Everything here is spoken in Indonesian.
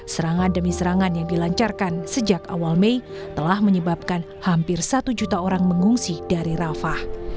serangan demi serangan yang dilancarkan sejak awal mei telah menyebabkan hampir satu juta orang mengungsi dari rafah